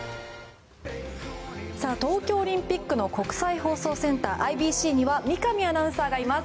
東京オリンピックの国際放送センター・ＩＢＣには三上アナウンサーがいます。